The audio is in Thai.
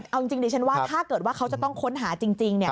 เอาจริงดิฉันว่าถ้าเกิดว่าเขาจะต้องค้นหาจริงเนี่ย